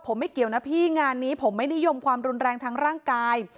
ผมไม่เกี่ยวนะพี่งานนี้ผมไม่นิยมความรุนแรงทางร่างกาย